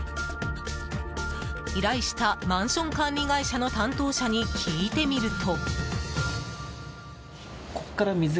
依頼したマンション管理会社の担当者に聞いてみると。